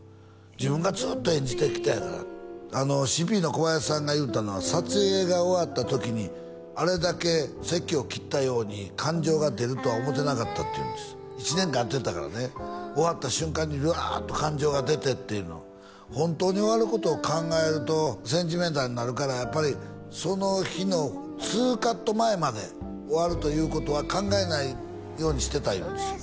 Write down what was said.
自分がずっと演じてきたんやからＣＰの小林さんが言うたのは撮影が終わった時にあれだけせきを切ったように感情が出るとは思ってなかったって言うんです１年間やってたからね終わった瞬間にうわっと感情が出てっていうのを本当に終わることを考えるとセンチメンタルになるからやっぱりその日の２カット前まで終わるということは考えないようにしてた言うんですよ